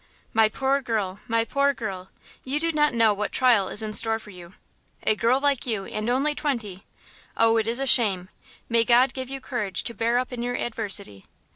"My poor girl! my poor girl! you do not know what trial is in store for you. A girl like you, and only twenty! ...Oh, it is a shame! May God give you courage to bear up in your adversity!"